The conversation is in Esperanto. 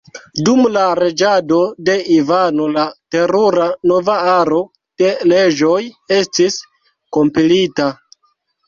Dum la reĝado de Ivano la Terura nova aro de leĝoj estis kompilita.